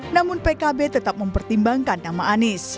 namun pkb tetap mempertimbangkan nama anies